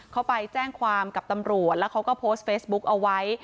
เขาไปแจ้งความกับตำรวจแล้วเขาก็โพสต์เฟซบุ๊กเอาไว้